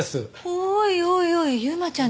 おいおいおい由真ちゃん